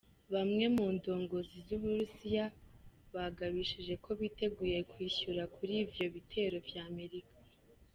Bamwe mu ndongozi z'Uburusiya, bagabishije ko biteguye kwishura kuri ivyo bitero vya Amerika.